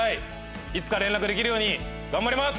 いつか連絡できるように頑張ります！